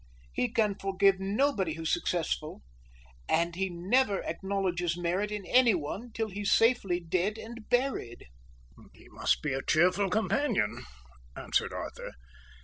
He can forgive nobody who's successful, and he never acknowledges merit in anyone till he's safely dead and buried." "He must be a cheerful companion," answered Arthur.